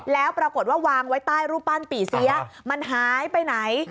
แล้วปรากฏว่าวางไว้ใต้รูปปั้นปี่เสียมันหายไปไหน